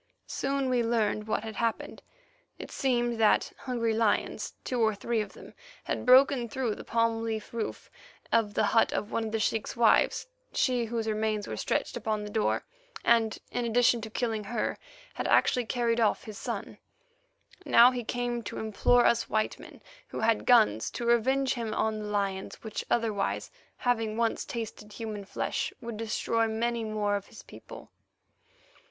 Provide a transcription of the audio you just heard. Soon we learned what had happened. It seemed that hungry lions, two or three of them, had broken through the palm leaf roof of the hut of one of the sheik's wives, she whose remains were stretched upon the door, and, in addition to killing her, had actually carried off his son. Now he came to implore us white men who had guns to revenge him on the lions, which otherwise, having once tasted human flesh, would destroy many more of his people.